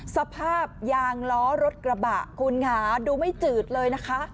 สภาพยางล้อรถกระบะคุณค่ะดูไม่จืดเลยนะคะ